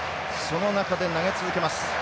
その中で投げ続けます。